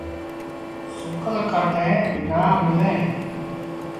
سُڪل ڪآٺيٚن نا مليٚن۔